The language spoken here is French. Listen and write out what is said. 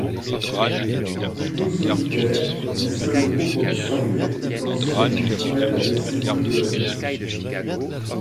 Plutôt solitaire, les seuls groupes observés étant ceux d’une femelle avec ses deux jeunes.